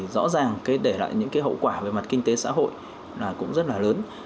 rõ ràng để lại những hậu quả về mặt kinh tế xã hội cũng rất là lớn